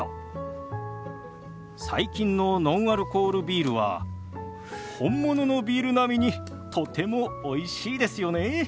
最近のノンアルコールビールは本物のビール並みにとてもおいしいですよね。